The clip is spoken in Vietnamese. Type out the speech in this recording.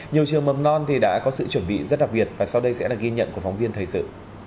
nhiều trường mầm non đã có sự chuẩn bị rất đặc biệt và sau đây sẽ là ghi nhận của phóng viên thời sự